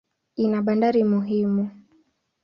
Ina bandari muhimu.